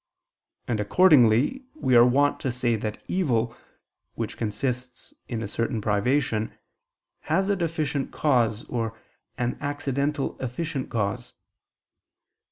And accordingly we are wont to say that evil, which consists in a certain privation, has a deficient cause, or an accidental efficient cause.